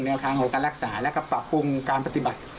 ทางของการรักษาแล้วก็ปรับปรุงการปฏิบัติ